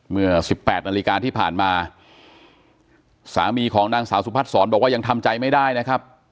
เมื่อสิบแปดนาฬิกาที่ผ่านมาสามีของนางสาวสุพัฒนศรบอกว่ายังทำใจไม่ได้นะครับ